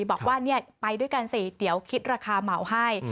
บอกว่าไปด้วยกันสิเดี๋ยวคิดราคาเหมาให้